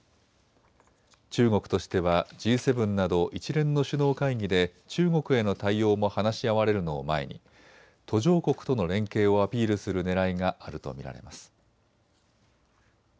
中国としてはＧ７など一連の首脳会議で中国への対応も話し合われるのを前に途上国との連携をアピールするねらいがあると見られます。